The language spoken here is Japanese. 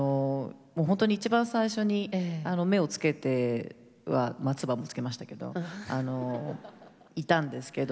本当に一番最初に目をつけては唾も付けましたけどいたんですけど